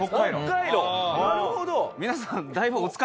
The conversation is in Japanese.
なるほど。